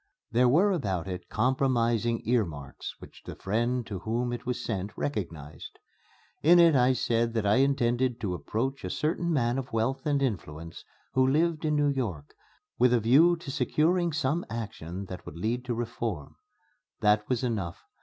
There were about it compromising earmarks which the friend to whom it was sent recognized. In it I said that I intended to approach a certain man of wealth and influence who lived in New York, with a view to securing some action that would lead to reform. That was enough.